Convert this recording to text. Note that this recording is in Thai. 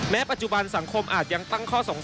ปัจจุบันสังคมอาจยังตั้งข้อสงสัย